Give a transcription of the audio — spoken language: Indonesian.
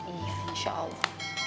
iya insya allah